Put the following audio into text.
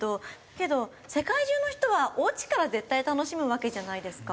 けど世界中の人はおうちから絶対楽しむわけじゃないですか。